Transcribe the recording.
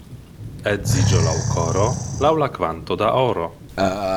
Edziĝo laŭ koro, laŭ la kvanto da oro.